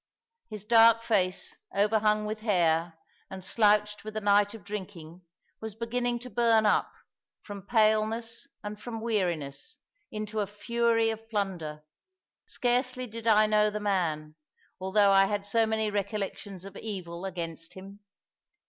His dark face, overhung with hair, and slouched with a night of drinking, was beginning to burn up, from paleness and from weariness, into a fury of plunder. Scarcely did I know the man, although I had so many recollections of evil against him.